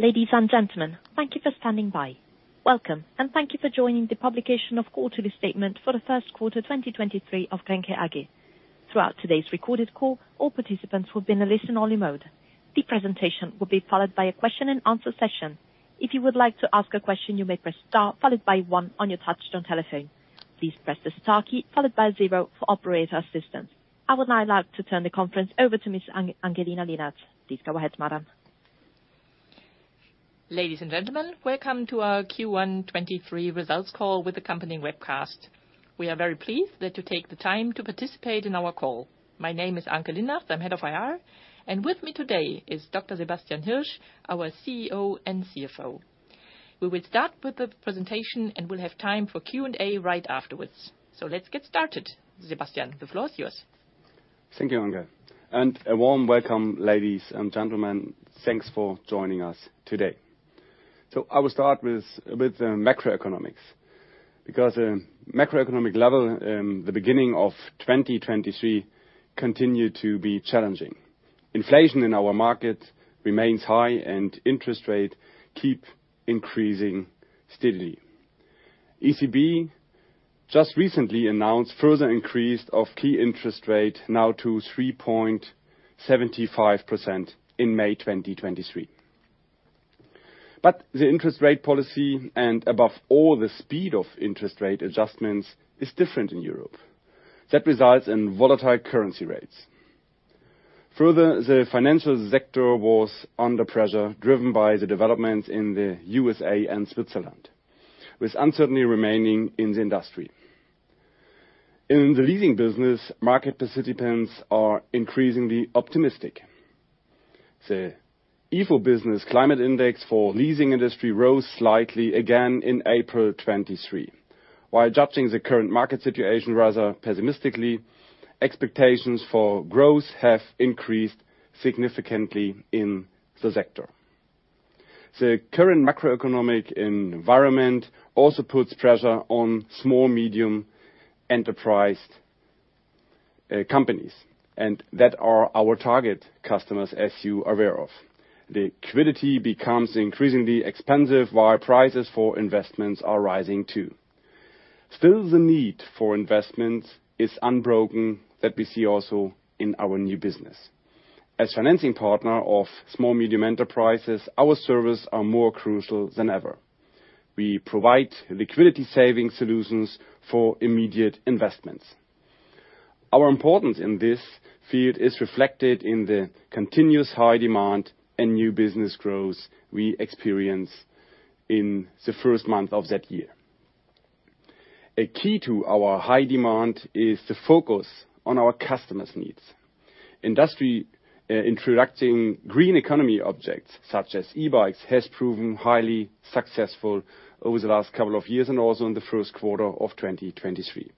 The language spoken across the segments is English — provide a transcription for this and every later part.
Ladies and gentlemen, thank you for standing by. Welcome, and thank you for joining the publication of quarterly statement for the Q1 2023 of Grenke AG. Throughout today's recorded call, all participants will be in a listen-only mode. The presentation will be followed by a Q&A session. If you would like to ask a question, you may press Star, followed by one on your touch-tone telephone. Please press the Star key followed by zero for operator assistance. I would now like to turn the conference over to Ms. Anke Linnartz. Please go ahead, madam. Ladies and gentlemen, welcome to our Q1 2023 results call with accompanying webcast. We are very pleased that you take the time to participate in our call. My name is Anke Linnartz, Head of Investor Relations, and with me today is Dr. Sebastian Hirsch, our Chief Executive Officer and Chief Financial Officer. We will start with the presentation, and we'll have time for Q&A right afterwards. Let's get started. Sebastian, the floor is yours. Thank you, Anke. A warm welcome, ladies and gentlemen. Thanks for joining us today. I will start with macroeconomics, because macroeconomic level in the beginning of 2023 continued to be challenging. Inflation in our market remains high, and interest rate keep increasing steadily. ECB just recently announced further increase of key interest rate now to 3.75% in May 2023. The interest rate policy and, above all, the speed of interest rate adjustments is different in Europe. That results in volatile currency rates. Further, the financial sector was under pressure, driven by the developments in the USA and Switzerland, with uncertainty remaining in the industry. In the leasing business, market participants are increasingly optimistic. The ifo Business Climate Index for leasing industry rose slightly again in April 2023. While judging the current market situation rather pessimistically, expectations for growth have increased significantly in the sector. The current macroeconomic environment also puts pressure on small, medium enterprise companies, and that are our target customers, as you are aware of. Liquidity becomes increasingly expensive, while prices for investments are rising too. Still, the need for investments is unbroken. That we see also in our new business. As financing partner of small, medium enterprises, our service are more crucial than ever. We provide liquidity saving solutions for immediate investments. Our importance in this field is reflected in the continuous high demand and new business growth we experience in the first month of that year. A key to our high demand is the focus on our customers' needs. Industry introducing green economy objects, such as eBikes, has proven highly successful over the last couple of years and also in the Q1 of 2023.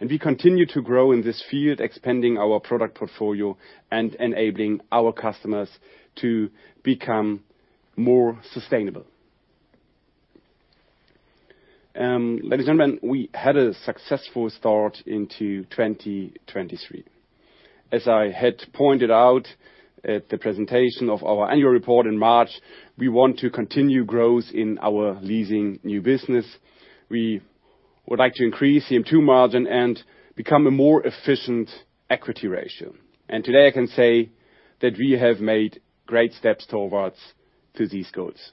We continue to grow in this field, expanding our product portfolio and enabling our customers to become more sustainable. Ladies and gentlemen, we had a successful start into 2023. As I had pointed out at the presentation of our annual report in March, we want to continue growth in our leasing new business. We would like to increase CM2 margin and become a more efficient equity ratio. Today I can say that we have made great steps towards to these goals.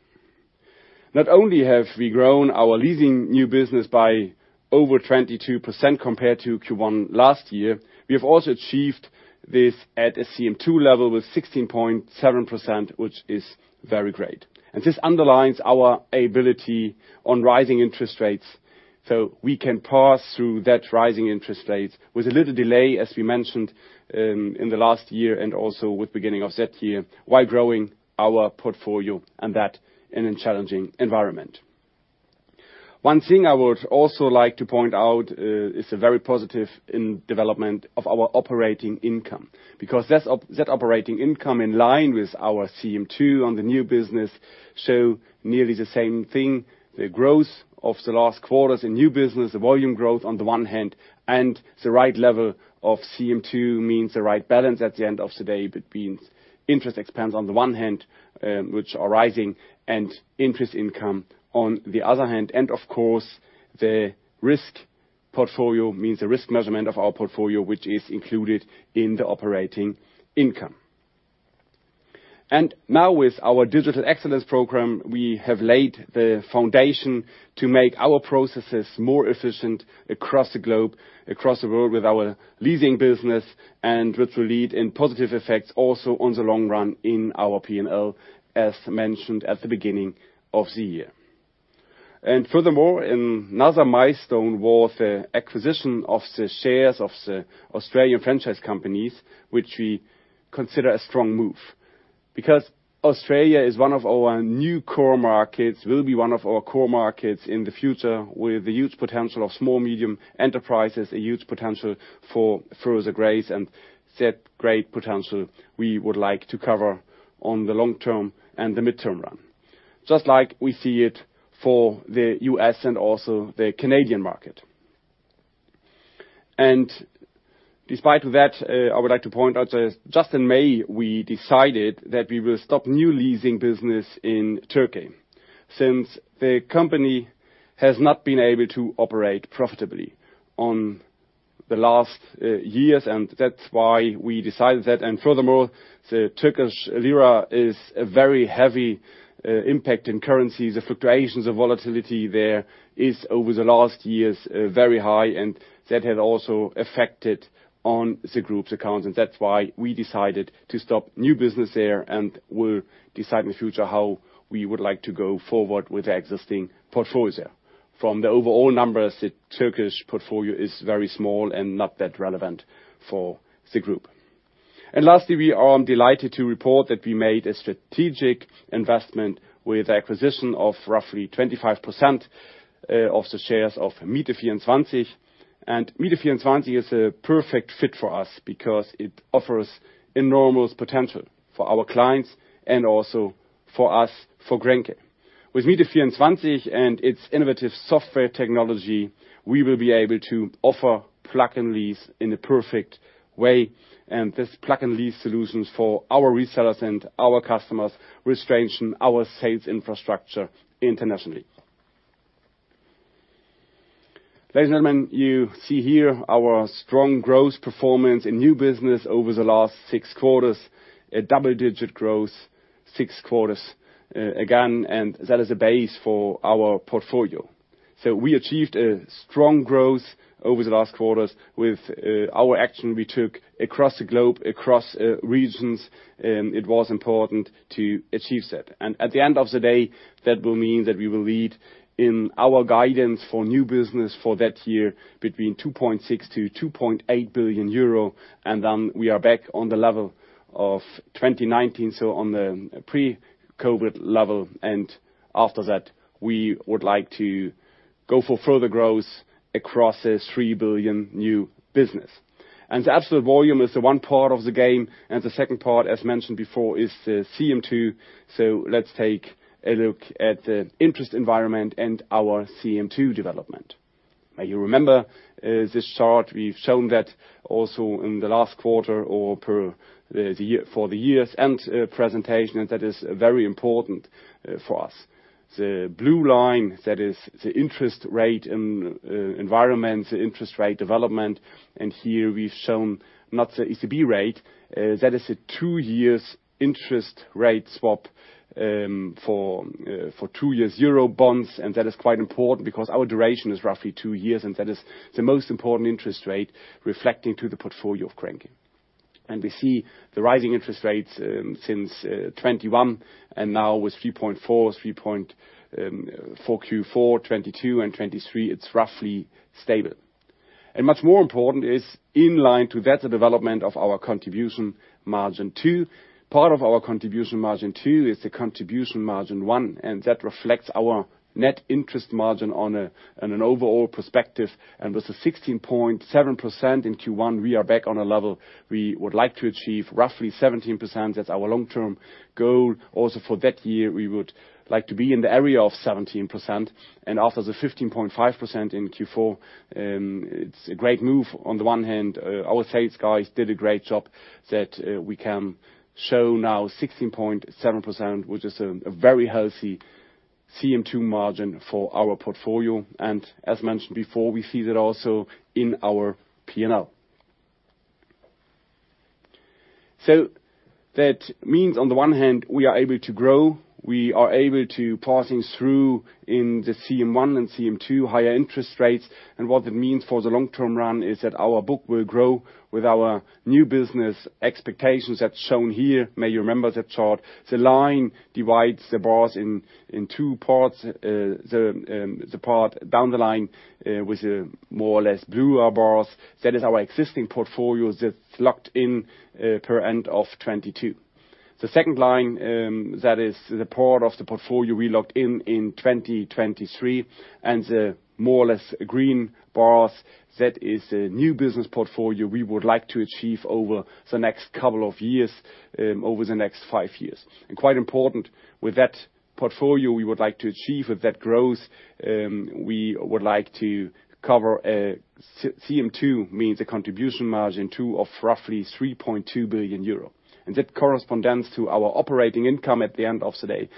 Not only have we grown our leasing new business by over 22% compared to Q1 last year, we have also achieved this at a CM2 level with 16.7%, which is very great. This underlines our ability on rising interest rates, so we can pass through that rising interest rates with a little delay, as we mentioned, in the last year and also with beginning of that year, while growing our portfolio and that in a challenging environment. One thing I would also like to point out, is a very positive in development of our operating income. That operating income in line with our CM2 on the new business show nearly the same thing. The growth of the last quarters in new business, the volume growth on the one hand, and the right level of CM2 means the right balance at the end of the day between interest expense on the one hand, which are rising, and interest income on the other hand. Of course, the risk portfolio means the risk measurement of our portfolio, which is included in the operating income. Now with our Digital Excellence program, we have laid the foundation to make our processes more efficient across the globe, across the world with our leasing business and which will lead in positive effects also on the long run in our P&L, as mentioned at the beginning of the year. Furthermore, another milestone was the acquisition of the shares of the Australian franchise companies, which we consider a strong move. Australia is one of our new core markets, will be one of our core markets in the future with a huge potential of small medium enterprises, a huge potential for further grades, and that great potential we would like to cover on the long term and the midterm run. Just like we see it for the U.S. and also the Canadian market. Despite that, I would like to point out that just in May, we decided that we will stop new leasing business in Turkey, since the company has not been able to operate profitably on the last years, and that's why we decided that. Furthermore, the Turkish lira is a very heavy impact in currency. The fluctuations of volatility there is over the last years, very high, and that had also affected on the group's accounts. That's why we decided to stop new business there and will decide in the future how we would like to go forward with the existing portfolios there. From the overall numbers, the Turkish portfolio is very small and not that relevant for the group. Lastly, we are delighted to report that we made a strategic investment with the acquisition of roughly 25% of the shares of Miete24. Miete24 is a perfect fit for us because it offers enormous potential for our clients and also for us, for Grenke. With Miete24 and its innovative software technology, we will be able to offer plug-and-lease in a perfect way. This plug-and-lease solutions for our resellers and our customers will strengthen our sales infrastructure internationally. Ladies and gentlemen, you see here our strong growth performance in new business over the last six quarters, a double-digit growth, six quarters again, and that is a base for our portfolio. We achieved a strong growth over the last quarters with our action we took across the globe, across regions, it was important to achieve that. At the end of the day, that will mean that we will lead in our guidance for new business for that year between 2.6 billion-2.8 billion euro. Then we are back on the level of 2019, so on the pre-COVID level. After that, we would like to go for further growth across this 3 billion new business. The absolute volume is the one part of the game, and the second part, as mentioned before, is the CM2. Let's take a look at the interest environment and our CM2 development. Now you remember, this chart, we've shown that also in the last quarter or for the year-end presentation, that is very important for us. The blue line, that is the interest rate environment, the interest rate development. Here we've shown not the ECB rate, that is a two years interest rate swap for for two years euro bonds. That is quite important because our duration is roughly two years, and that is the most important interest rate reflecting to the portfolio of Grenke. We see the rising interest rates since 2021 and now with 3.4%, 3 point for Q4, 2022 and 2023, it's roughly stable. Much more important is in line to that development of our contribution margin two. Part of our contribution margin two is the contribution margin one, and that reflects our net interest margin on an overall perspective. With the 16.7% in Q1, we are back on a level we would like to achieve roughly 17%. That's our long-term goal. Also for that year, we would like to be in the area of 17%. After the 15.5% in Q4, it's a great move. On the one hand, our sales guys did a great job that we can show now 16.7%, which is a very healthy CM2 margin for our portfolio. As mentioned before, we see that also in our P&L. That means on the one hand, we are able to grow, we are able to passing through in the CM1 and CM2 higher interest rates. What that means for the long-term run is that our book will grow with our new business expectations that's shown here. May you remember that chart. The line divides the bars in two parts. The part down the line with the more or less bluer bars, that is our existing portfolios that locked in per end of 2022. The second line, that is the part of the portfolio we locked in in 2023. The more or less green bars, that is a new business portfolio we would like to achieve over the next couple of years, over the next five years. Quite important with that portfolio we would like to achieve with that growth, we would like to cover a CM2 means a contribution margin two of roughly 3.2 billion euro. That corresponds to our operating income at the end of the day.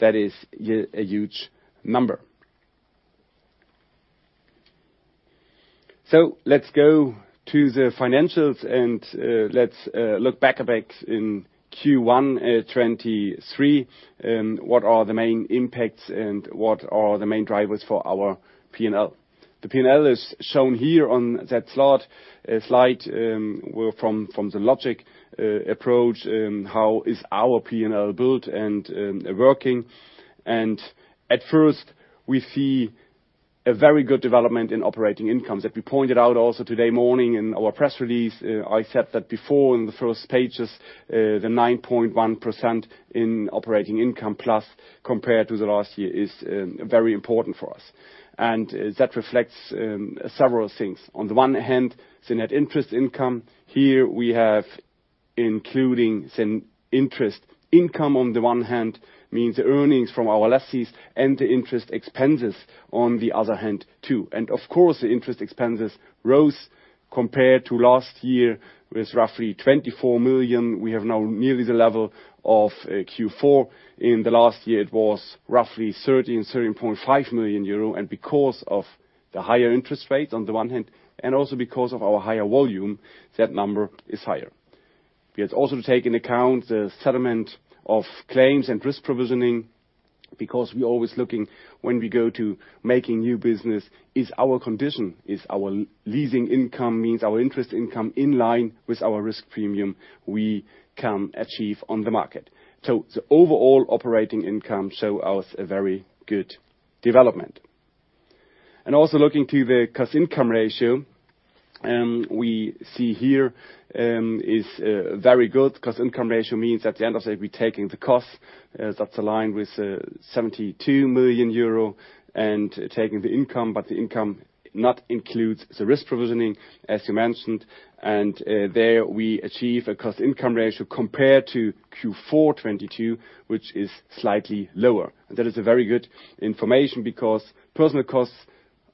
That is a huge number. Let's go to the financials, let's look back a bit in Q1 2023, what are the main impacts and what are the main drivers for our P&L. The P&L is shown here on that slide from the logic approach, how is our P&L built and working. At first we see a very good development in operating income that we pointed out also today morning in our press release. I said that before in the first pages, the 9.1% in operating income plus compared to the last year is very important for us. That reflects several things. On the one hand, the net interest income. Here we have including the interest income on the one hand, means earnings from our lessees and the interest expenses on the other hand, too. Of course, the interest expenses rose compared to last year with roughly 24 million. We have now nearly the level of Q4. In the last year, it was roughly 13.5 million euro. Because of the higher interest rate on the one hand, and also because of our higher volume, that number is higher. We had also to take into account the settlement of claims and risk provisioning, because we're always looking when we go to making new business, is our condition, is our leasing income, means our interest income in line with our risk premium we can achieve on the market. The overall operating income show us a very good development. Also looking to the Cost-Income Ratio, we see here, is very good. Cost-Income Ratio means at the end of the day, we're taking the costs, that's aligned with 72 million euro and taking the income, but the income not includes the risk provisioning, as you mentioned. There we achieve a Cost-Income Ratio compared to Q4 2022, which is slightly lower. That is a very good information because personal costs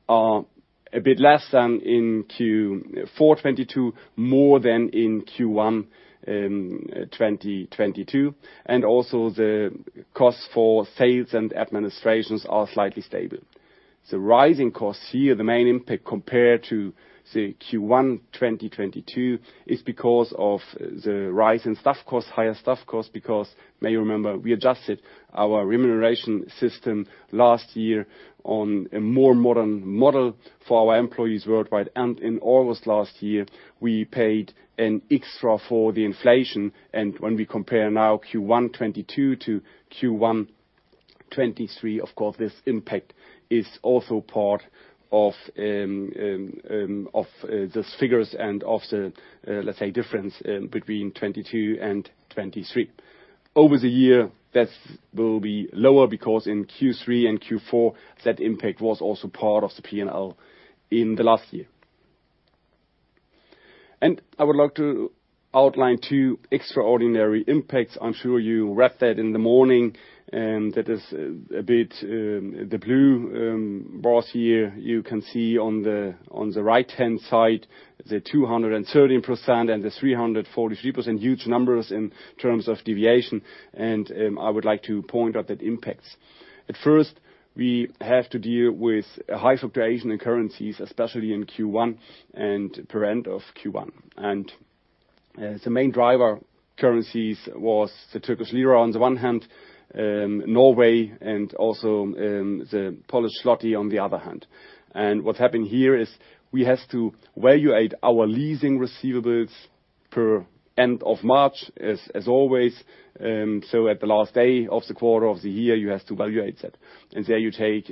are a bit less than in Q4 2022, more than in Q1 2022. Also the costs for sales and administration are slightly stable. The rising costs here, the main impact compared to, say, Q1 2022, is because of the rise in staff costs, higher staff costs, because you may remember we adjusted our remuneration system last year on a more modern model for our employees worldwide. In August last year, we paid an extra for the inflation. When we compare now Q1 2022 to Q1 2023, of course, this impact is also part of those figures and of the, let's say, difference between 2022 and 2023. Over the year, that will be lower because in Q3 and Q4, that impact was also part of the P&L in the last year. I would like to outline two extraordinary impacts. I'm sure you read that in the morning, that is a bit the blue bars here. You can see on the right-hand side, the 213% and the 343%, huge numbers in terms of deviation. I would like to point out that impacts. At first, we have to deal with a high fluctuation in currencies, especially in Q1 and per end of Q1. The main driver currencies was the Turkish lira on the one hand, Norway and also the Polish zloty on the other hand. What happened here is we have to evaluate our leasing receivables per end of March as always. At the last day of the quarter of the year, you have to evaluate that. There you take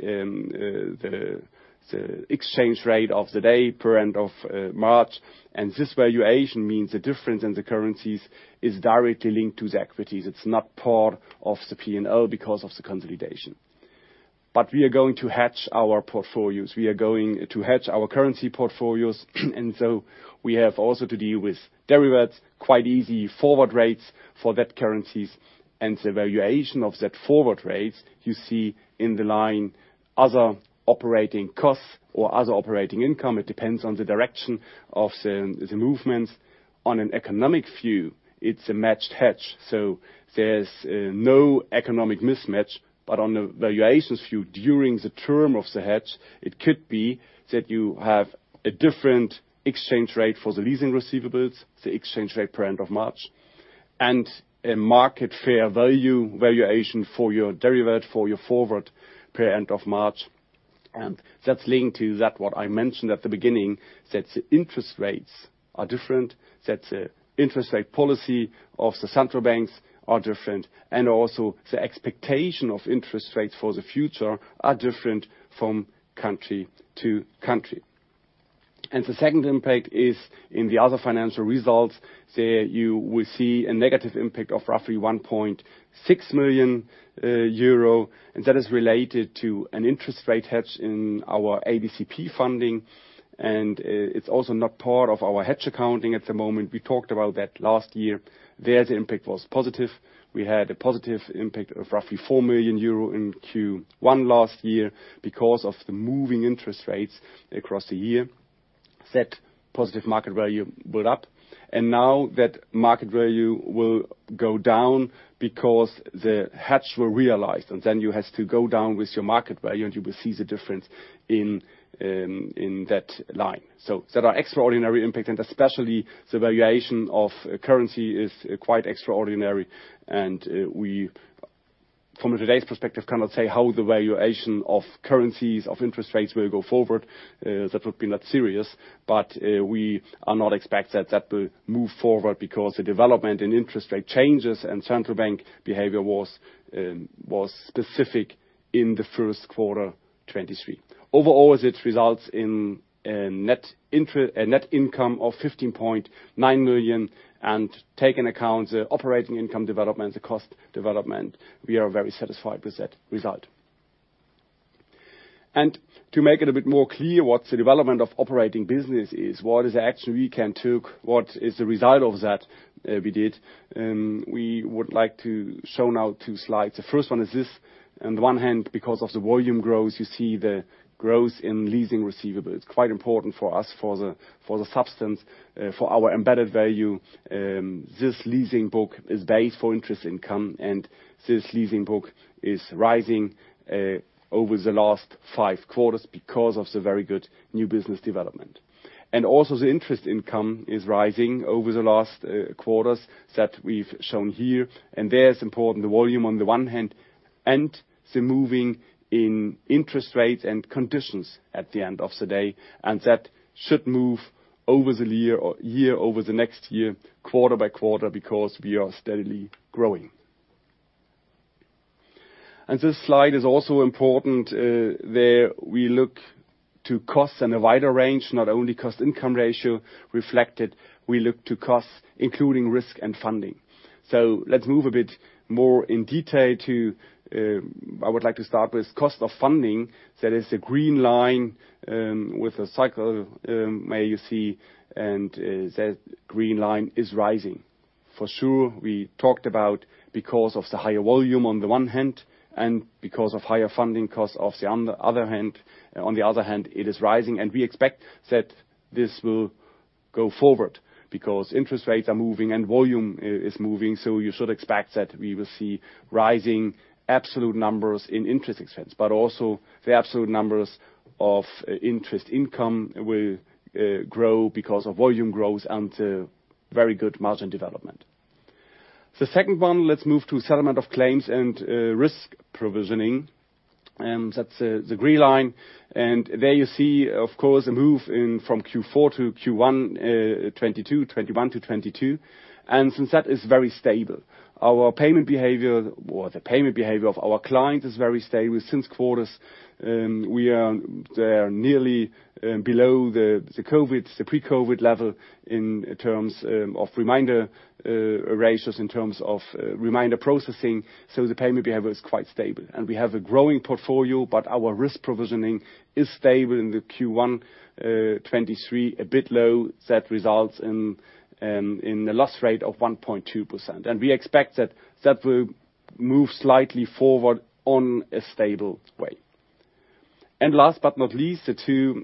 the exchange rate of the day per end of March. This valuation means the difference in the currencies is directly linked to the equities. It's not part of the P&L because of the consolidation. We are going to hedge our portfolios. We are going to hedge our currency portfolios, we have also to deal with derivatives, quite easy forward rates for that currencies. The valuation of that forward rates you see in the line other operating costs or other operating income. It depends on the direction of the movements. On an economic view, it's a matched hedge, so there's no economic mismatch. On a valuations view during the term of the hedge, it could be that you have a different exchange rate for the leasing receivables, the exchange rate per end of March, and a market fair value valuation for your derivative, for your forward per end of March. That's linked to that what I mentioned at the beginning, that the interest rates are different, that the interest rate policy of the central banks are different, and also the expectation of interest rates for the future are different from country to country. The second impact is in the other financial results. There you will see a negative impact of roughly 1.6 million euro, and that is related to an interest rate hedge in our ABCP funding. It's also not part of our hedge accounting at the moment. We talked about that last year. There, the impact was positive. We had a positive impact of roughly 4 million euro in Q1 last year because of the moving interest rates across the year. That positive market value built up. Now that market value will go down because the hedge were realized, and then you have to go down with your market value, and you will see the difference in that line. That are extraordinary impact, and especially the valuation of currency is quite extraordinary. We from today's perspective, cannot say how the valuation of currencies of interest rates will go forward. That would be not serious. We are not expect that that will move forward because the development in interest rate changes and central bank behavior was specific in the Q1 2023. Overall, it results in a net income of 15.9 million, and take in account the operating income development, the cost development, we are very satisfied with that result. To make it a bit more clear what the development of operating business is, what is the action we can take, what is the result of that, we would like to show now two slides. The first one is this. On the one hand, because of the volume growth, you see the growth in leasing receivables. It's quite important for us for the substance, for our embedded value. This leasing book is based for interest income, and this leasing book is rising over the last five quarters because of the very good new business development. The interest income is rising over the last quarters that we've shown here. There it's important, the volume on the one hand and the moving in interest rates and conditions at the end of the day. That should move over the year or year over the next year, quarter by quarter because we are steadily growing. This slide is also important. There we look to costs in a wider range, not only Cost-Income Ratio reflected. We look to costs including risk and funding. Let's move a bit more in detail to, I would like to start with cost of funding. That is the green line, with a circle, where you see and that green line is rising. For sure, we talked about because of the higher volume on the one hand and because of higher funding costs of the on the other hand. On the other hand, it is rising and we expect that this will go forward because interest rates are moving and volume is moving. You should expect that we will see rising absolute numbers in interest expense. Also the absolute numbers of interest income will grow because of volume growth and very good margin development. The second one, let's move to settlement of claims and risk provisioning. That's the green line. There you see, of course, a move in from Q4 to Q1 2022, 2021 to 2022. Since that is very stable, our payment behavior or the payment behavior of our clients is very stable since quarters. We are there nearly below the COVID, the pre-COVID level in terms of reminder ratios, in terms of reminder processing. The payment behavior is quite stable. We have a growing portfolio, but our risk provisioning is stable in the Q1 2023, a bit low. That results in a loss rate of 1.2%. We expect that that will move slightly forward on a stable way. Last but not least, the two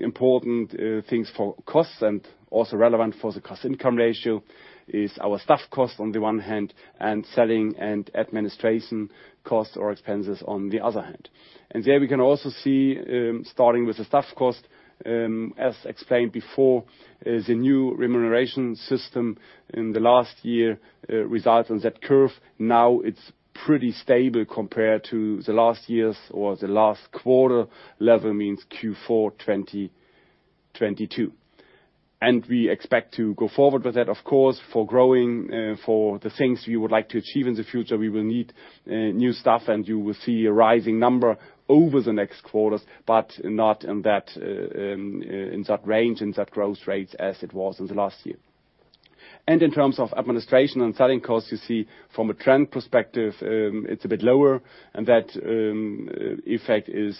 important things for costs and also relevant for the Cost-Income Ratio is our staff costs on the one hand and selling and administration costs or expenses on the other hand. There we can also see, starting with the staff cost, as explained before, the new remuneration system in the last year results in that curve. Now it's pretty stable compared to the last year's or the last quarter level, means Q4 2022. We expect to go forward with that. Of course, for growing, for the things we would like to achieve in the future, we will need new staff and you will see a rising number over the next quarters, but not in that range, in that growth rates as it was in the last year. In terms of administration and selling costs, you see from a trend perspective, it's a bit lower and that effect is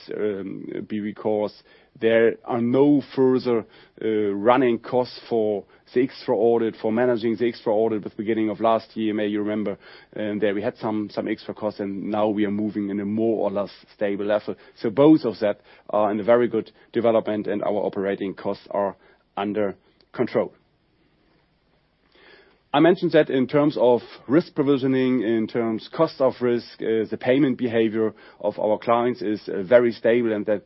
because there are no further running costs for the extra audit, for managing the extra audit with beginning of last year. May you remember that we had some extra costs and now we are moving in a more or less stable level. Both of that are in a very good development and our operating costs are under control. I mentioned that in terms of risk provisioning, in terms cost of risk, the payment behavior of our clients is very stable and that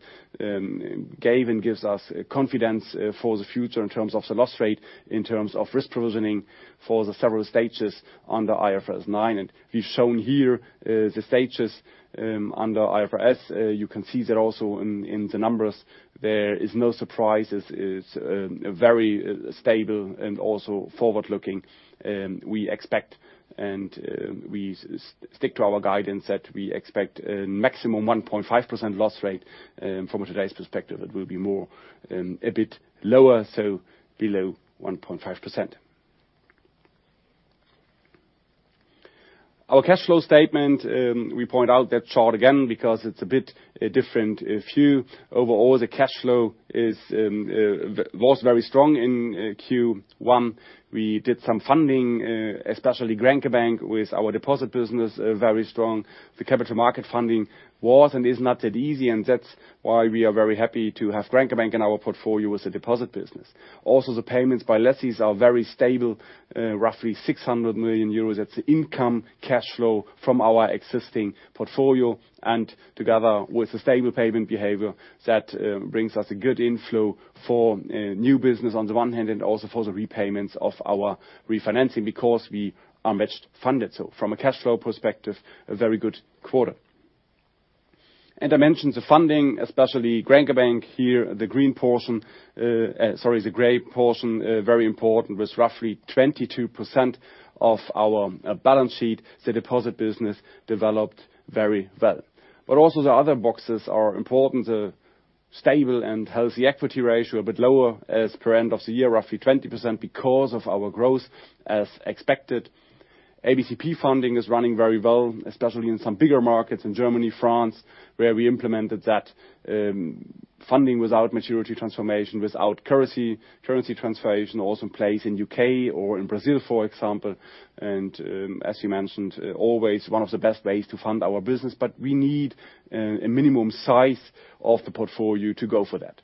gave and gives us confidence for the future in terms of the loss rate, in terms of risk provisioning for the several stages under IFRS 9. We've shown here the stages under IFRS. You can see that also in the numbers there is no surprises. It's very stable and also forward-looking. We expect and we stick to our guidance that we expect a maximum 1.5% loss rate from today's perspective. It will be more a bit lower, so below 1.5%. Our cash flow statement, we point out that chart again because it's a bit a different view. Overall, the cash flow is was very strong in Q1. We did some funding, especially Grenke Bank with our deposit business, very strong. The capital market funding was and is not that easy, and that's why we are very happy to have Grenke Bank in our portfolio as a deposit business. Also, the payments by lessees are very stable, roughly 600 million euros. That's the income cash flow from our existing portfolio and together with the stable payment behavior, that brings us a good inflow for new business on the one hand and also for the repayments of our refinancing because we are much funded. From a cash flow perspective, a very good quarter. I mentioned the funding, especially Grenke Bank here, the green portion, sorry, the gray portion, very important, with roughly 22% of our balance sheet. The deposit business developed very well. Also the other boxes are important. The stable and healthy equity ratio, a bit lower as per end of the year, roughly 20% because of our growth as expected. ABCP funding is running very well, especially in some bigger markets in Germany, France, where we implemented that funding without maturity transformation, without currency transformation also in place in U.K. or in Brazil, for example. As you mentioned, always one of the best ways to fund our business. We need a minimum size of the portfolio to go for that.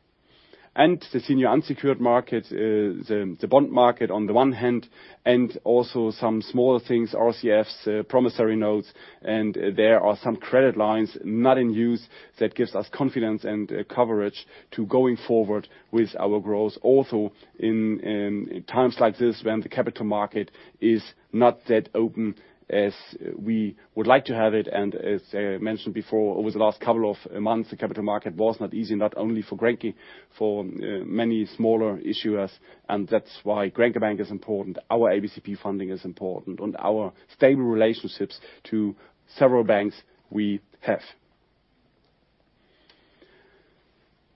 The senior unsecured market is the bond market on the one hand, and also some smaller things, RCFs, promissory notes, and there are some credit lines not in use that gives us confidence and coverage to going forward with our growth. Also in times like this when the capital market is not that open as we would like to have it. As I mentioned before, over the last couple of months, the capital market was not easy, not only for Grenke, for many smaller issuers. That's why Grenke Bank is important, our ABCP funding is important, and our stable relationships to several banks we have.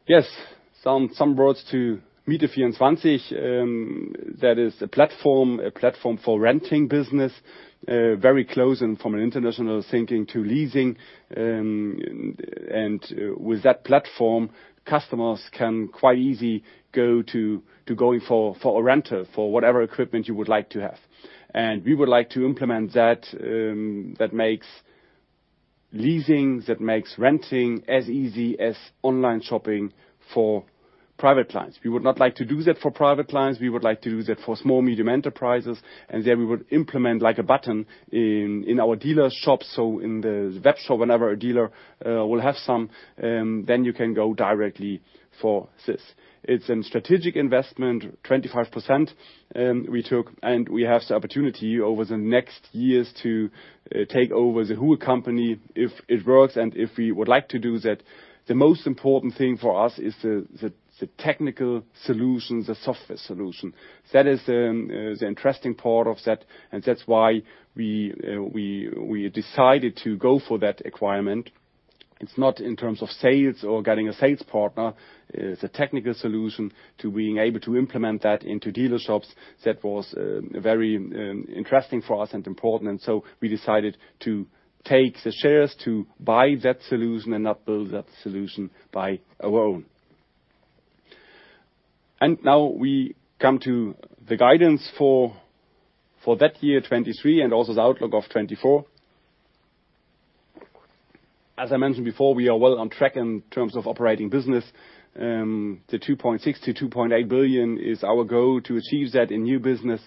Yes. Some words to Miete24. That is a platform for renting business, very close and from an international thinking to leasing. With that platform, customers can quite easy go going for a renter for whatever equipment you would like to have. We would like to implement that makes renting as easy as online shopping for private clients. We would not like to do that for private clients. We would like to do that for small, medium enterprises. There we would implement like a button in our dealer shop. So in the web shop, whenever a dealer will have some, then you can go directly for this. It's a strategic investment, 25%, we took, and we have the opportunity over the next years to take over the whole company if it works and if we would like to do that. The most important thing for us is the technical solution, the software solution. That is the interesting part of that, and that's why we decided to go for that requirement. It's not in terms of sales or getting a sales partner. It's a technical solution to being able to implement that into dealer shops that was very interesting for us and important. We decided to take the shares to buy that solution and not build that solution by our own. We come to the guidance for that year 2023 and also the outlook of 2024. As I mentioned before, we are well on track in terms of operating business. The 2.6 billion-2.8 billion is our goal to achieve that in new business.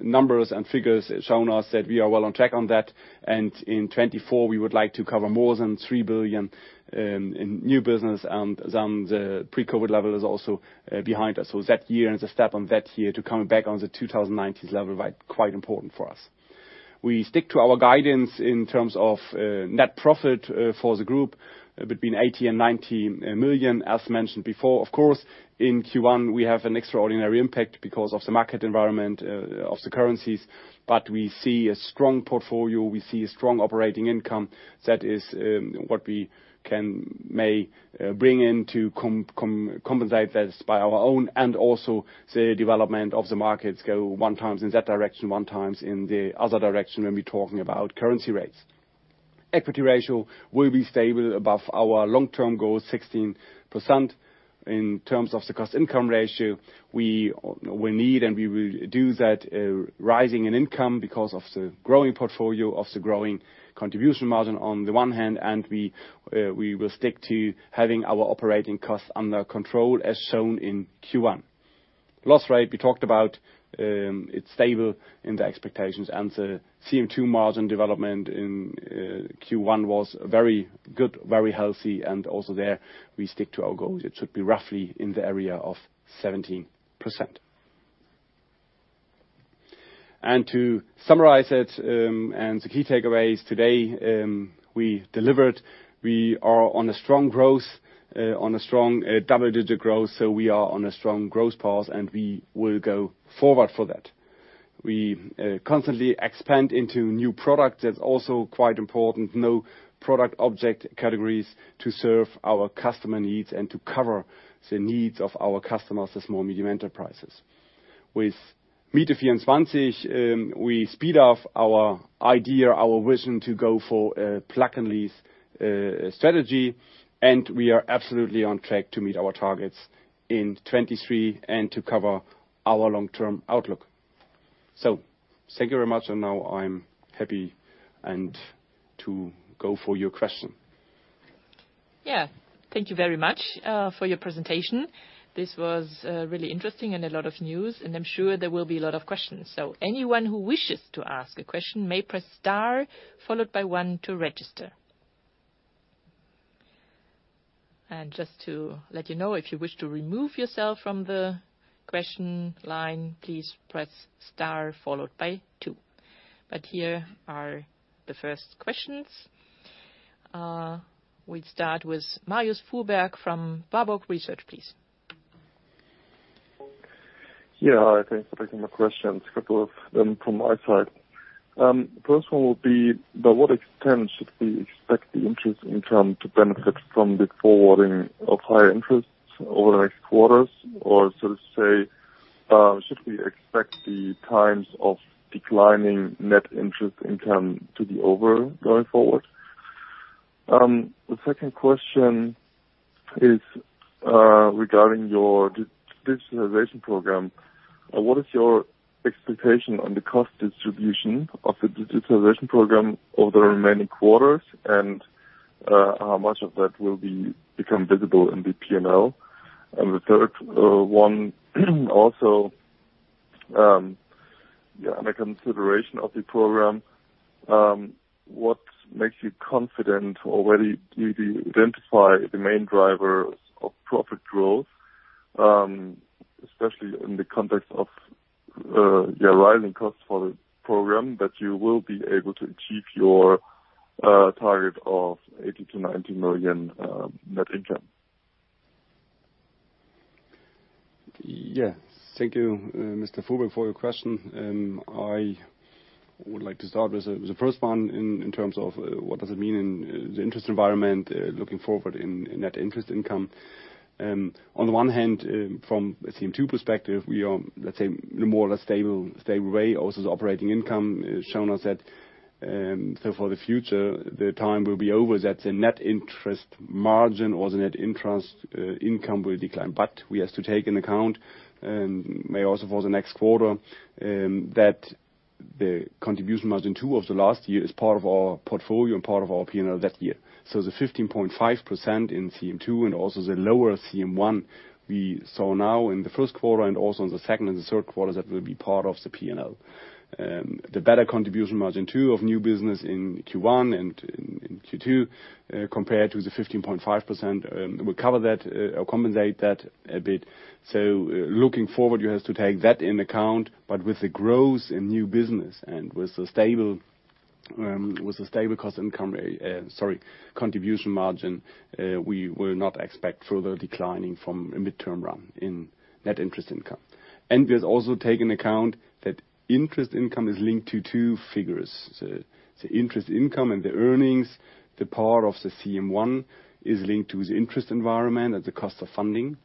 Numbers and figures shown us that we are well on track on that. In 2024, we would like to cover more than 3 billion in new business and then the pre-COVID level is also behind us. That year and the step on that year to coming back on the 2019 level quite important for us. We stick to our guidance in terms of net profit for the group between 80 million and 90 million as mentioned before. Of course, in Q1 we have an extraordinary impact because of the market environment of the currencies. We see a strong portfolio, we see a strong operating income. That is what we may bring in to compensate this by our own and also the development of the markets go one times in that direction, one times in the other direction when we talking about currency rates. Equity ratio will be stable above our long-term goal, 16%. In terms of the Cost-Income Ratio, we need and we will do that, rising in income because of the growing portfolio of the growing contribution margin on the one hand, we will stick to having our operating costs under control as shown in Q1. Loss rate we talked about, it's stable in the expectations. The CM2 margin development in Q1 was very good, very healthy. Also there we stick to our goals. It should be roughly in the area of 17%. To summarize it, the key takeaways today, we delivered. We are on a strong double-digit growth. We are on a strong growth path. We will go forward for that. We constantly expand into new products. That's also quite important. No product object categories to serve our customer needs and to cover the needs of our customers, the small, medium enterprises. With Miete24, we speed up our idea, our vision to go for a plug-and-lease strategy, and we are absolutely on track to meet our targets in 2023 and to cover our long-term outlook. Thank you very much. Now I'm happy and to go for your question. Yeah. Thank you very much for your presentation. This was really interesting and a lot of news, and I'm sure there will be a lot of questions. Anyone who wishes to ask a question may press star followed by one to register. And just to let you know, if you wish to remove yourself from the question line, please press star followed by two. Here are the first questions. We start with Marius Fuhrberg from Warburg Research, please. Thanks for taking my questions, a couple of them from my side. First one will be, by what extent should we expect the interest income to benefit from the forwarding of higher interest over the next quarters? Or so to say, should we expect the times of declining net interest income to be over going forward? The second question is, regarding your digitalization program. What is your expectation on the cost distribution of the digitalization program over the remaining quarters, and, how much of that will become visible in the P&L? The third one also, under consideration of the program, what makes you confident to already really identify the main driver of profit growth, especially in the context of your rising costs for the program, that you will be able to achieve your target of 80 million-90 million net income? Thank you, Mr. Fuhrberg, for your question. I would like to start with the first one in terms of what does it mean in the interest environment, looking forward in net interest income. On the one hand, from a CM2 perspective, we are in a more or less stable way. The operating income has shown us that. For the future, the time will be over. That's a net interest margin or the net interest income will decline. We have to take into account, may also for the next quarter, that the contribution margin two of the last year is part of our portfolio and part of our P&L that year. The 15.5% in CM2 and also the lower CM1 we saw now in the Q1 and also in the second and the Q3, that will be part of the P&L. The better contribution margin two of new business in Q1 and in Q2, compared to the 15.5%, will cover that or compensate that a bit. Looking forward, you have to take that in account. With the growth in new business and with the stable, with the stable cost income, sorry, contribution margin, we will not expect further declining from a midterm run in net interest income. We have also take in account that interest income is linked to two figures. The interest income and the earnings, the power of the CM1 is linked to the interest environment at the cost of funding.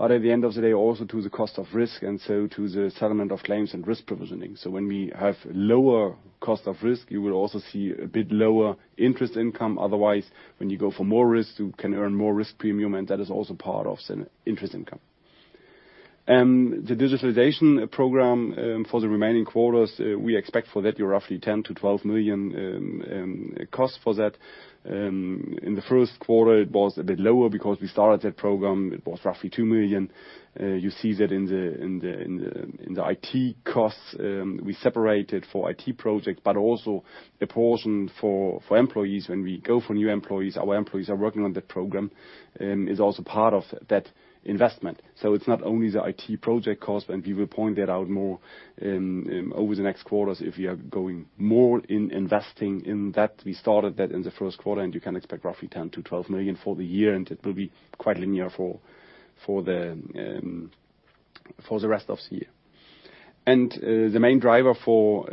At the end of the day, also to the cost of risk, to the settlement of claims and risk provisioning. When we have lower cost of risk, you will also see a bit lower interest income. Otherwise, when you go for more risk, you can earn more risk premium, and that is also part of the interest income. The digitalization program, for the remaining quarters, we expect for that roughly 10-12 million, cost for that. In the Q1 it was a bit lower because we started that program. It was roughly 2 million. You see that in the IT costs, we separated for IT projects, but also the portion for employees. When we go for new employees, our employees are working on that program, is also part of that investment. It's not only the IT project costs. We will point that out more over the next quarters if we are going more in investing in that. We started that in the Q1. You can expect roughly 10-12 million for the year. It will be quite linear for the rest of the year. The main driver for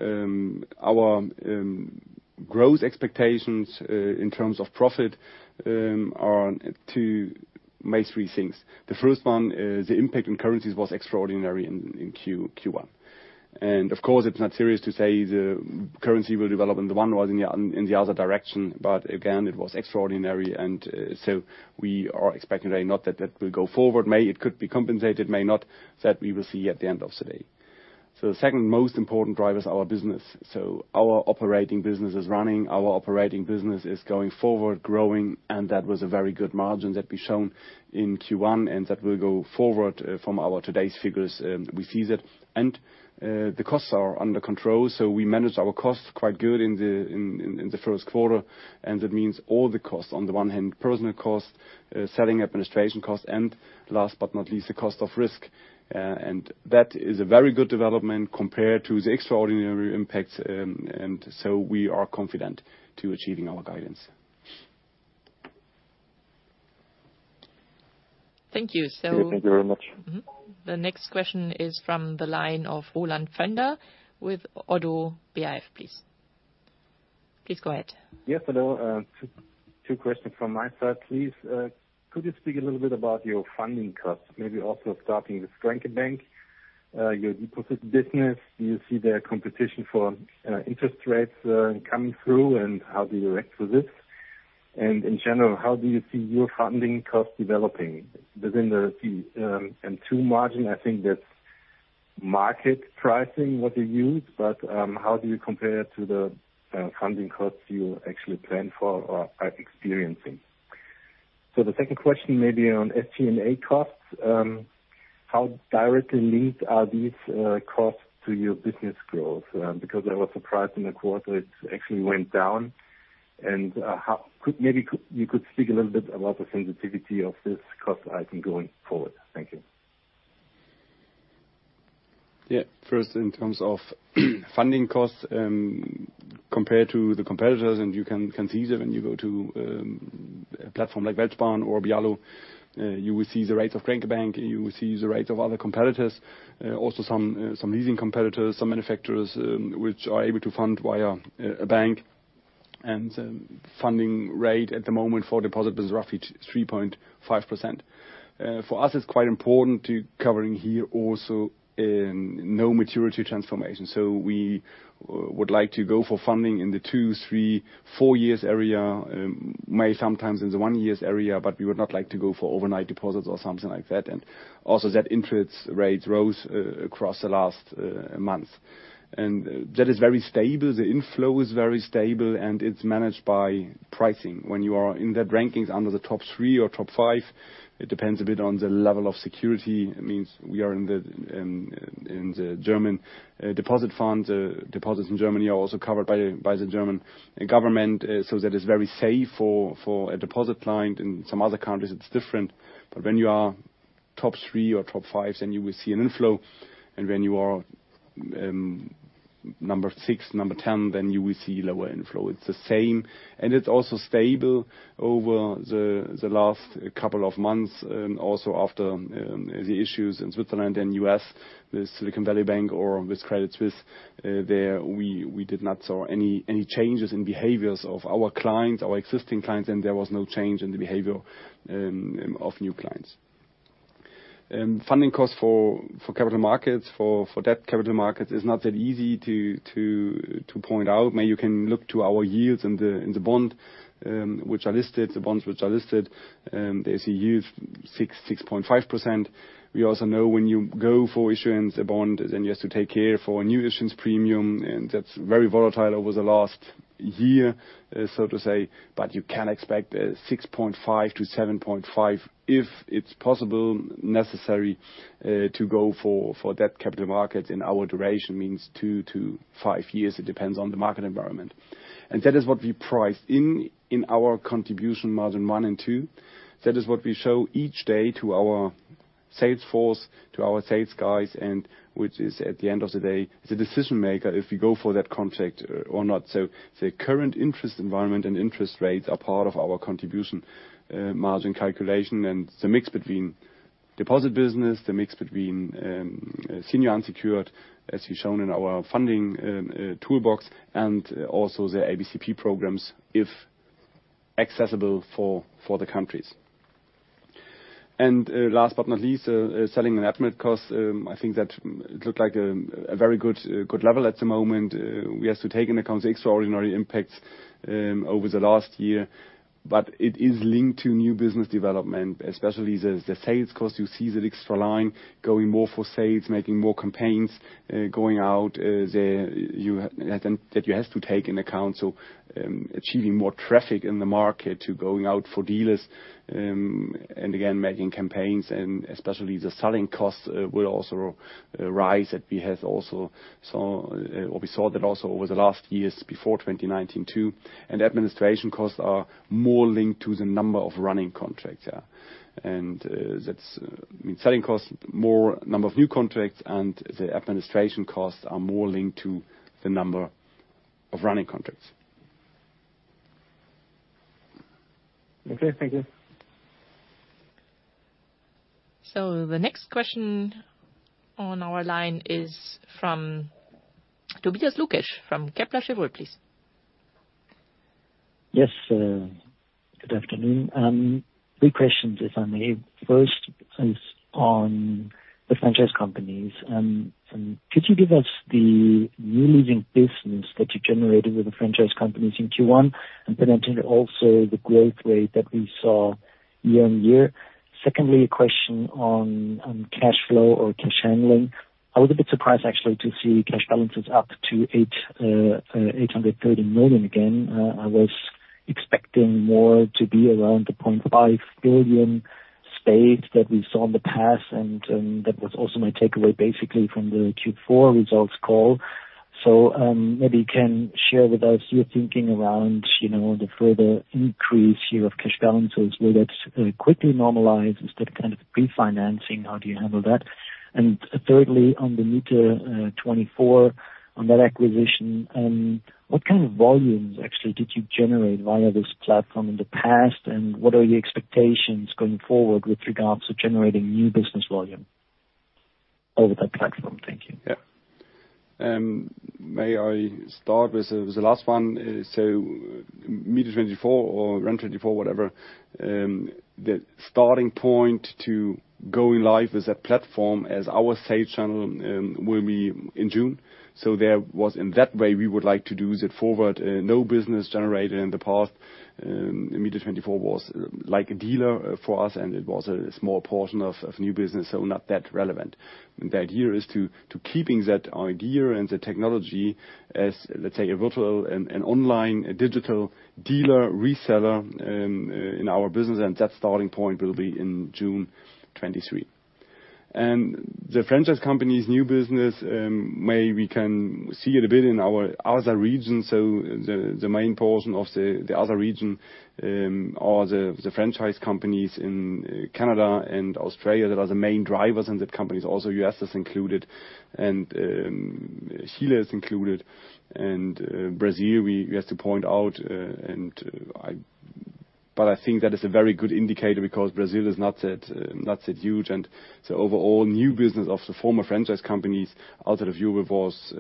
our growth expectations in terms of profit are mainly three things. The first one is the impact on currencies was extraordinary in Q1. Of course, it's not serious to say the currency will develop, and the one was in the other direction. Again, it was extraordinary. We are expecting really not that that will go forward. May it could be compensated, may not. That we will see at the end of the day. The second most important driver is our business. Our operating business is running. Our operating business is going forward, growing. That was a very good margin that we shown in Q1, and that will go forward from our today's figures, we see that. The costs are under control, so we manage our costs quite good in the Q1. That means all the costs, on the one hand, personal costs, selling administration costs, and last but not least, the cost of risk. That is a very good development compared to the extraordinary impacts. We are confident to achieving our guidance. Thank you. Thank you very much. The next question is from the line of Roland Pfänder with ODDO BHF, please. Please go ahead. Yes, hello. Two questions from my side, please. Could you speak a little bit about your funding costs? Maybe also starting with Grenke Bank, your deposit business. Do you see their competition for interest rates coming through, and how do you react to this? In general, how do you see your funding costs developing within the fee and two margin? I think that's market pricing, what you use, but how do you compare to the funding costs you actually plan for or are experiencing? The second question may be on SG&A costs. How directly linked are these costs to your business growth? Because I was surprised in the quarter it actually went down. And maybe you could speak a little bit about the sensitivity of this cost item going forward. Thank you. First, in terms of funding costs, compared to the competitors, you can see that when you go to a platform like WeltSparen or Biallo, you will see the rates of Grenke Bank, you will see the rates of other competitors, also some leasing competitors, some manufacturers, which are able to fund via a bank. Funding rate at the moment for deposit is roughly 3.5%. For us it's quite important to covering here also no maturity transformation. We would like to go for funding in the two, three, four years area, may sometimes in the one-year area, but we would not like to go for overnight deposits or something like that. Also that interest rates rose across the last month. That is very stable, the inflow is very stable, and it's managed by pricing. When you are in that rankings under the top three or top five, it depends a bit on the level of security. It means we are in the German deposit fund. Deposits in Germany are also covered by the German government, so that is very safe for a deposit clients. In some other countries it's different. When you are top three or top five then you will see an inflow. When you are number six, number 10, then you will see lower inflow. It's the same, and it's also stable over the last couple of months, and also after the issues in Switzerland and U.S. with Silicon Valley Bank or with Credit Suisse. There we did not saw any changes in behaviors of our clients, our existing clients, and there was no change in the behavior of new clients. Funding costs for capital markets, for debt capital markets is not that easy to point out. Maybe you can look to our yields in the bond which are listed, the bonds which are listed. They see yields 6.5%. We also know when you go for issuance a bond, then you have to take care for a new issuance premium, and that's very volatile over the last year, so to say. You can expect 6.5%-7.5% if it's possible, necessary, to go for that capital market. In our duration means two to five years. It depends on the market environment. That is what we priced in in our CM1 and CM2. That is what we show each day to our sales force, to our sales guys, and which is at the end of the day, the decision maker if you go for that contract or not. The current interest environment and interest rates are part of our contribution margin calculation and the mix between deposit business, the mix between senior unsecured, as we've shown in our funding toolbox, and also the ABCP programs if accessible for the countries. Last but not least, selling and admin costs. I think that it looked like a very good level at the moment. We have to take into account the extraordinary impacts over the last year. It is linked to new business development, especially the sales cost. You see that extra line going more for sales, making more campaigns, going out, that you have to take into account, achieving more traffic in the market to going out for dealers, and again, making campaigns and especially the selling costs, will also rise that we have also saw, or we saw that also over the last years before 2019 too. Administration costs are more linked to the number of running contracts, yeah. That's, I mean, selling costs more number of new contracts and the administration costs are more linked to the number of running contracts. Okay, thank you. The next question on our line is from Tobias Lukesch from Kepler Cheuvreux, please. Yes, good afternoon. Three questions if I may. First is on the franchise companies. Could you give us the new leading business that you generated with the franchise companies in Q1, and potentially also the growth rate that we saw year-on-year? Secondly, a question on cash flow or cash handling. I was a bit surprised actually to see cash balances up to 830 million again. I was expecting more to be around the 0.5 billion space that we saw in the past, and that was also my takeaway basically from the Q4 results call. Maybe you can share with us your thinking around, you know, the further increase here of cash balances. Will that quickly normalize? Instead of kind of refinancing, how do you handle that? Thirdly, on the Miete24, on that acquisition, what kind of volumes actually did you generate via this platform in the past, and what are your expectations going forward with regards to generating new business volume over that platform? Thank you. Yeah. May I start with the last one? So Miete24 or Rent24, whatever, the starting point to going live as a platform as our sales channel will be in June. There was in that way we would like to do that forward. No business generated in the past. Miete24 was like a dealer for us, and it was a small portion of new business, so not that relevant. The idea is to keeping that idea and the technology as, let's say, a virtual and online digital dealer, reseller in our business, and that starting point will be in June 2023. The franchise company's new business, maybe we can see it a bit in our other regions. The main portion of the other region are the franchise companies in Canada and Australia that are the main drivers in the companies. Also U.S. is included and Chile is included. Brazil, we have to point out, but I think that is a very good indicator because Brazil is not that huge. Overall new business of the former franchise companies out of the view was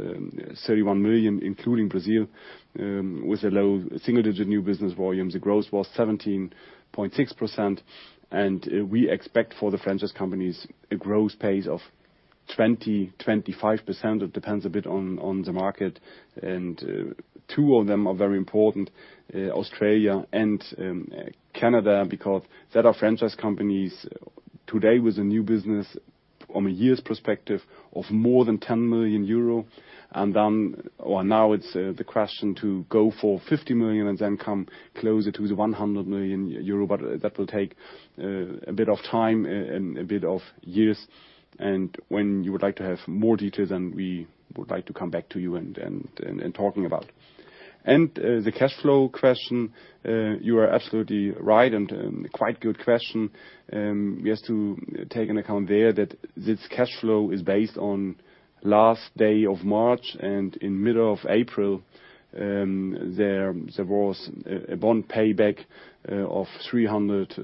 31 million, including Brazil, with a low single-digit new business volume. The growth was 17.6%. We expect for the franchise companies a growth pace of 20%-25%. It depends a bit on the market. Two of them are very important, Australia and Canada, because there are franchise companies today with a new business from a year's perspective of more than 10 million euro. Now it's the question to go for 50 million and come closer to 100 million euro. That will take a bit of time and a bit of years. When you would like to have more details, we would like to come back to you and talking about. The cash flow question, you are absolutely right and quite good question. We have to take into account there that this cash flow is based on last day of March. In middle of April, there was a bond payback of 300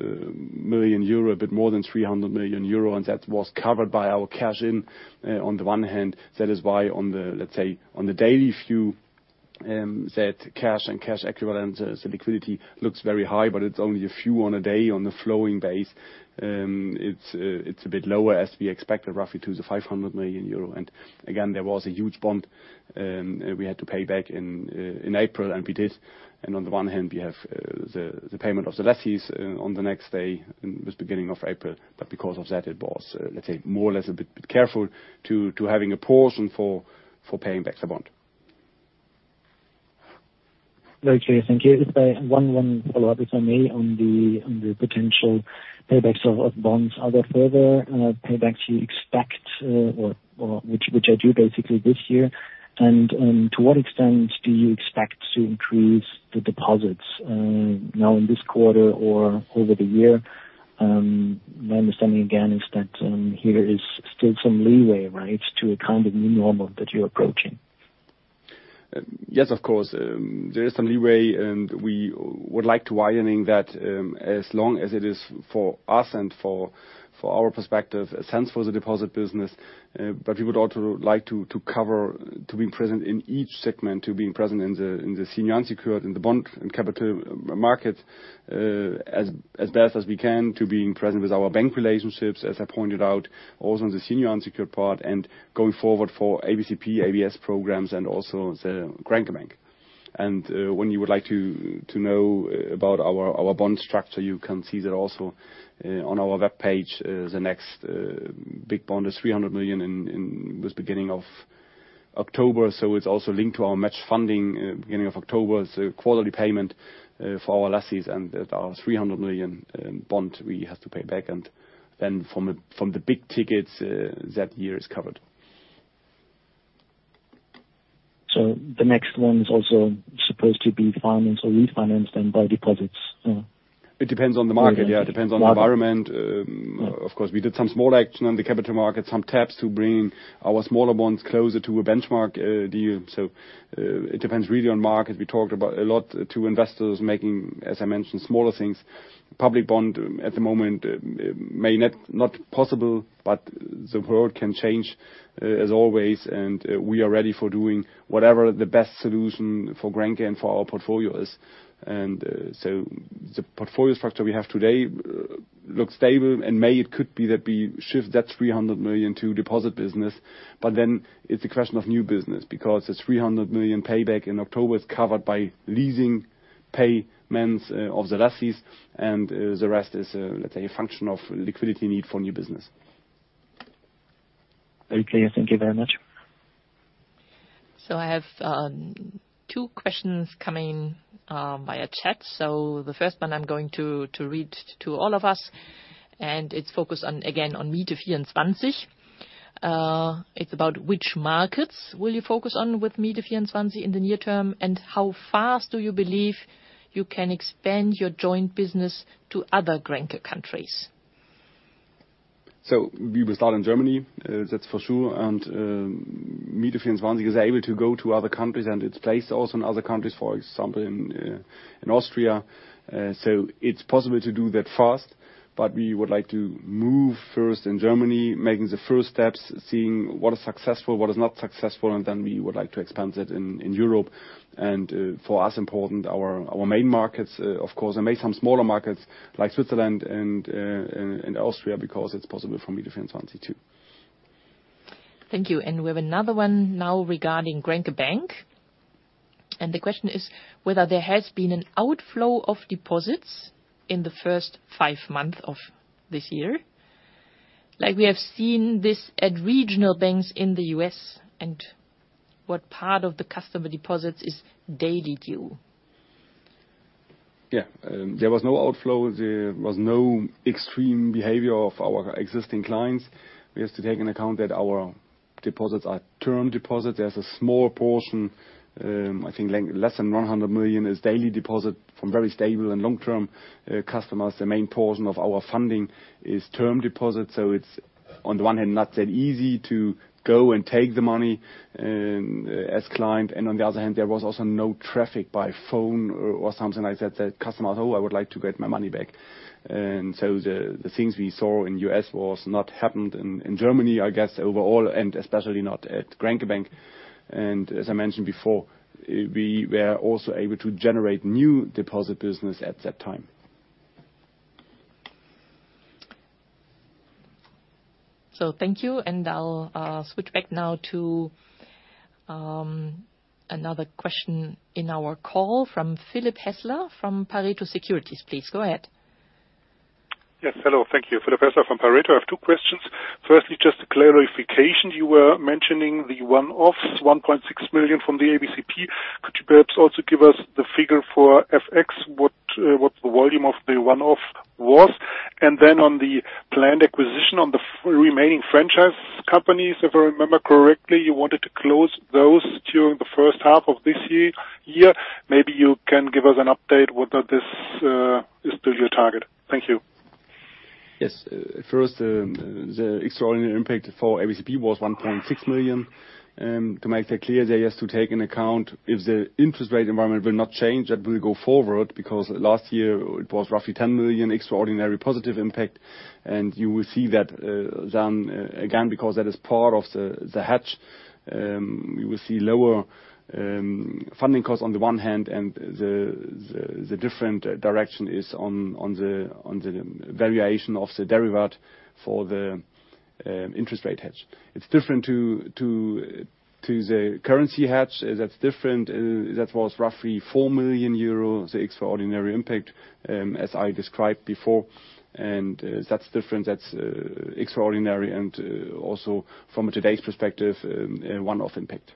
million euro, a bit more than 300 million euro, and that was covered by our cash in. On the one hand, that is why on the, let's say, on the daily view, that cash and cash equivalents, the liquidity looks very high, but it's only a few on a day. On the flowing base, it's a bit lower as we expected, roughly to the 500 million euro. Again, there was a huge bond, we had to pay back in April, and we did. On the one hand, we have the payment of the lessees on the next day in this beginning of April. Because of that, it was, let's say, more or less a bit careful to having a portion for paying back the bond. Very clear. Thank you. Just one follow-up, if I may, on the potential paybacks of bonds. Are there further paybacks you expect or which are due basically this year? To what extent do you expect to increase the deposits now in this quarter or over the year? My understanding again is that here is still some leeway, right, to a kind of new normal that you're approaching. Yes, of course. There is some leeway, and we would like to widening that, as long as it is for us and for our perspective, a sense for the deposit business. We would also like to be present in each segment, to be present in the senior unsecured, in the bond and capital market, as best as we can, to being present with our bank relationships, as I pointed out, also in the senior unsecured part, and going forward for ABCP, ABS programs and also the Grenke Bank. When you would like to know about our bond structure, you can see that also on our webpage, the next big bond is 300 million in this beginning of October. It's also linked to our match funding beginning of October. Quarterly payment for our lessees and our 300 million bond we have to pay back. From the big tickets, that year is covered. The next one is also supposed to be financed or refinanced then by deposits? It depends on the market. Yeah. Okay. It depends on the environment. Of course, we did some small action on the capital market, some taps to bring our smaller bonds closer to a benchmark deal. It depends really on market. We talked about a lot to investors making, as I mentioned, smaller things. Public bond at the moment may not possible, but the world can change as always, and we are ready for doing whatever the best solution for Grenke and for our portfolio is. The portfolio structure we have today looks stable and may it could be that we shift that 300 million to deposit business. It's a question of new business because the 300 million payback in October is covered by leasing payments of the lessees and the rest is, let's say, a function of liquidity need for new business. Very clear. Thank you very much. I have two questions coming via chat. The first one I'm going to read to all of us, and it's focused on, again, on Miete24. It's about which markets will you focus on with Miete24 in the near term, and how fast do you believe you can expand your joint business to other Grenke countries? We will start in Germany, that's for sure. Miete24 is able to go to other countries, and it's placed also in other countries, for example, in Austria. It's possible to do that fast. We would like to move first in Germany, making the first steps, seeing what is successful, what is not successful, and then we would like to expand it in Europe. For us important our main markets, of course, and maybe some smaller markets like Switzerland and Austria, because it's possible for Miete24 too. Thank you. We have another one now regarding Grenke Bank. The question is whether there has been an outflow of deposits in the first five months of this year, like we have seen this at regional banks in the U.S., and what part of the customer deposits is daily due? Yeah. There was no outflow, there was no extreme behavior of our existing clients. We have to take into account that our deposits are term deposits. There's a small portion, I think less than 100 million, is daily deposit from very stable and long-term customers. The main portion of our funding is term deposits, it's on the one hand not that easy to go and take the money as clients. On the other hand, there was also no traffic by phone or something like that customers, "Oh, I would like to get my money back." The things we saw in the U.S. was not happened in Germany, I guess, overall, and especially not at Grenke Bank. As I mentioned before, we were also able to generate new deposit business at that time. Thank you, and I'll switch back now to another question in our call from Philipp Hässler from Pareto Securities. Please, go ahead. Hello. Thank you. Philipp Häßler from Pareto. I have two questions. Firstly, just a clarification. You were mentioning the one-off, 1.6 million from the ABCP. Could you perhaps also give us the figure for FX, what the volume of the one-off was? On the planned acquisition on the remaining franchise companies, if I remember correctly, you wanted to close those during the first half of this year. Maybe you can give us an update whether this is still your target. Thank you. Yes. First, the extraordinary impact for ABCP was 1.6 million. To make that clear, that is to take in account if the interest rate environment will not change, that will go forward, because last year it was roughly 10 million extraordinary positive impact. You will see that then again, because that is part of the hedge, we will see lower funding costs on the one hand and the different direction is on the variation of the derivative for the interest rate hedge. It's different to the currency hedge. That's different. That was roughly 4 million euro, the extraordinary impact, as I described before. That's different. That's extraordinary and also from today's perspective, a one-off impact.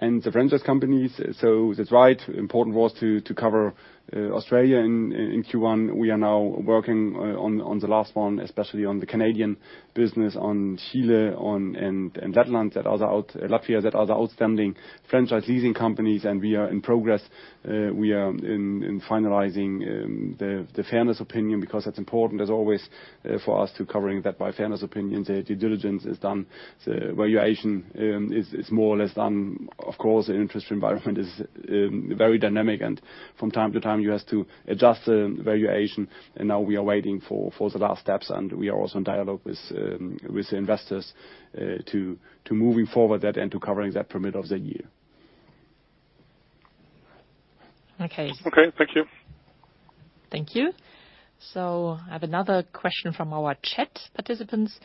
The franchise companies. That's right, important was to cover Australia in Q1. We are now working on the last one, especially on the Canadian business, on Chile, Latvia, that are the outstanding franchise leasing companies, and we are in progress. We are finalizing the fairness opinion because that's important as always for us to covering that by fairness opinion. The due diligence is done. The valuation is more or less done. Of course, the interest environment is very dynamic and from time to time you have to adjust the valuation. Now we are waiting for the last steps, and we are also in dialogue with the investors to moving forward that and to covering that per middle of the year. Okay. Okay. Thank you. Thank you. I have another question from our chat participants,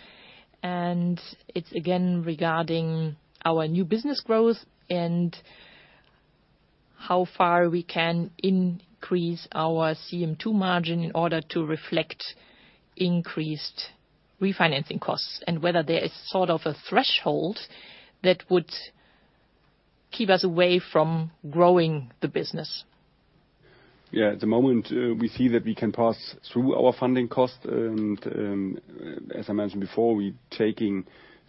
and it's again regarding our new business growth and how far we can increase our CM2 margin in order to reflect increased refinancing costs and whether there is sort of a threshold that would keep us away from growing the business. At the moment, we see that we can pass through our funding costs and, as I mentioned before, we're taking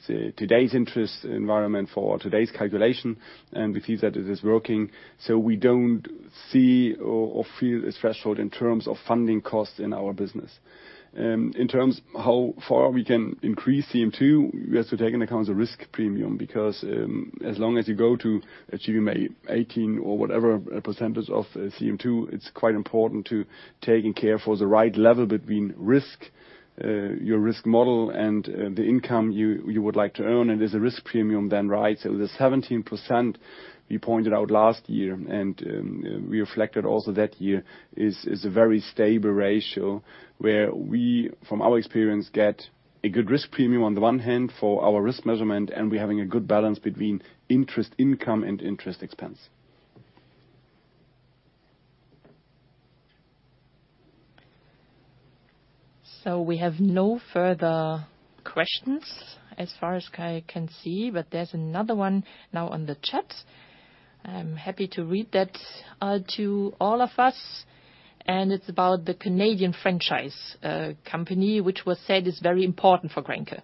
today's interest environment for today's calculation, and we see that it is working, so we don't see or feel a threshold in terms of funding costs in our business. In terms how far we can increase CM2, we have to take into account the risk premium because, as long as you go to achieving 18 or whatever % of CM2, it's quite important to taking care for the right level between risk, your risk model and the income you would like to earn, and there's a risk premium then, right? The 17% you pointed out last year and, we reflected also that year is a very stable ratio where we, from our experience, get a good risk premium on the one hand for our risk measurement, and we're having a good balance between interest income and interest expense. We have no further questions as far as I can see. There's another one now on the chat. I'm happy to read that to all of us. It's about the Canadian franchise company, which was said is very important for Grenke.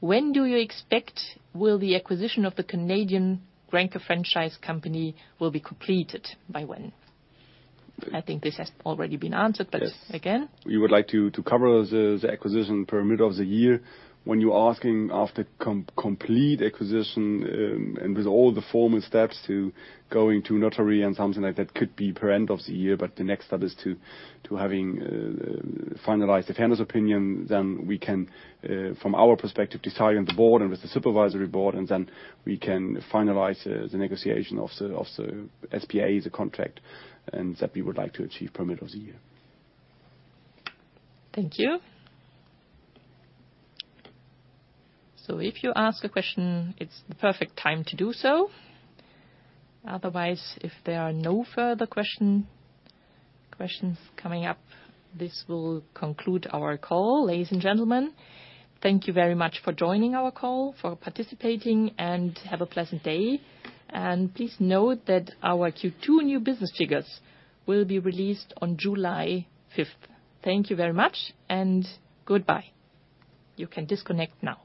When do you expect will the acquisition of the Canadian Grenke franchise company will be completed? By when? I think this has already been answered. Yes. Again. We would like to cover the acquisition per middle of the year. When you're asking of the complete acquisition, with all the formal steps to going to notary and something like that, could be per end of the year. The next step is to having finalized the fairness opinion. We can from our perspective decide on the board and with the supervisory board. We can finalize the negotiation of the SPA, the contract. That we would like to achieve per middle of the year. Thank you. If you ask a question, it's the perfect time to do so. Otherwise, if there are no further questions coming up, this will conclude our call. Ladies and gentlemen, thank you very much for joining our call, for participating, and have a pleasant day. Please note that our Q2 new business figures will be released on July 5th. Thank you very much and goodbye. You can disconnect now.